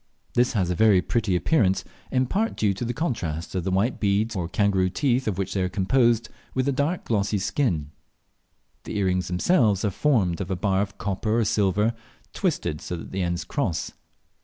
This has a very pretty appearance, in part due to the contrast of the white beads or kangaroo teeth of which they are composed with the dark glossy skin. The earrings themselves are formed of a bar of copper or silver, twisted so that the ends cross.